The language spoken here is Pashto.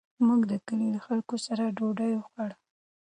موږ د کلي له خلکو سره ډوډۍ وخوړه.